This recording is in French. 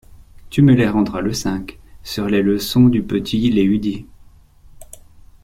Tu me les rendras le cinq, sur les leçons du petit Léhudier.